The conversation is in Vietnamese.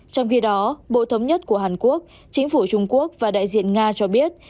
trong khi đó bộ thống nhất của hàn quốc chính phủ trung quốc và đại diện nga cho biết